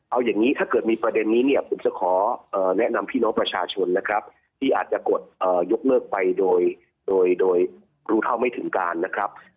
เอาอย่างนี้ถ้าเกิดมีประเด็นนี้เนี่ยผมจะขอแนะนำพี่น้องประชาชนนะครับที่อาจจะกดยกเลิกไปโดยโดยรู้เท่าไม่ถึงการนะครับ